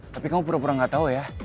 tapi kamu pura pura gak tau ya